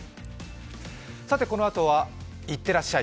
このあとは「いってらっしゃい」